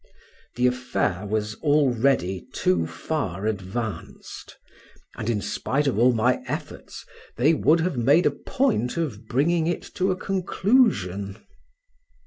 The affair was already too far advanced, and spite of all my efforts they would have made a point of bringing it to a conclusion.